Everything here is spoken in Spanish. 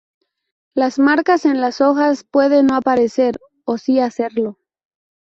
Las marcas en las hojas pueden no aparecer, o si hacerlo.